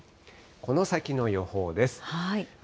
この先の予報です。